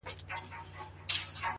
• سیاه پوسي ده، برباد دی.